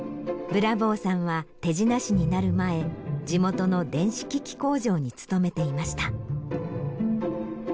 ブラボーさんは手品師になる前地元の電子機器工場に勤めていました。